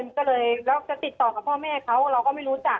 มันก็เลยแล้วจะติดต่อกับพ่อแม่เขาเราก็ไม่รู้จัก